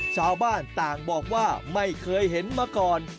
ชาวบ้านต่างบอกว่าไม่เคยเห็นมาก่อน